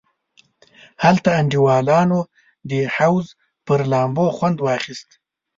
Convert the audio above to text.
هلته انډیوالانو د حوض پر لامبو خوند واخیست.